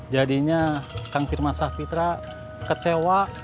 jadinya kang firman sahpitra kecewa